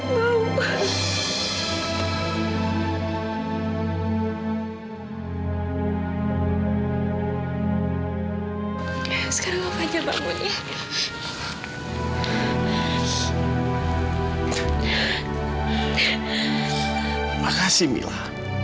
terima kasih mila